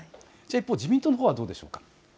一方、自民党のほうはどうでしょうか。